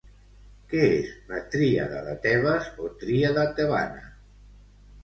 Què és la tríada de Tebes o tríada tebana?